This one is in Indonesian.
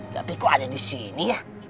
tapi kok ada di sini ya